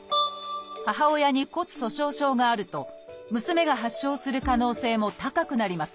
母親に骨粗しょう症があると娘が発症する可能性も高くなります。